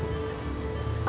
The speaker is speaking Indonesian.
loh mau jalan kaki